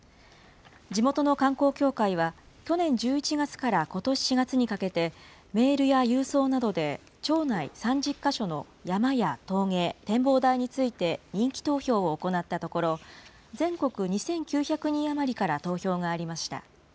地元の観光協会は去年１１月からことし４月にかけて、メールや郵送などで町内３０か所の山や峠、展望台について人気投票を行ったところ、全国２９００人余りから投票がありました。